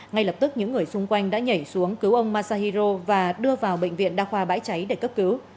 ngay lập tức những người xung quanh đã nhảy xuống cứu ông masahiro và đưa vào bệnh viện đa khoa bãi cháy để cấp cứu